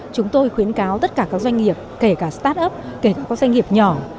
chúng tôi khuyến cáo tất cả các doanh nghiệp kể cả start up kể cả các doanh nghiệp nhỏ